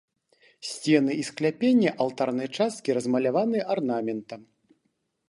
Сцены і скляпенні алтарнай часткі размаляваны арнаментам.